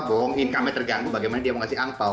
bawang income nya terganggu bagaimana dia mau kasih angpao